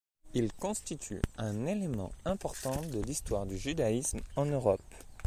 Il constitue un élément important de l'histoire du judaïsme en Europe.